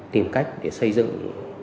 tìm cách để xây dựng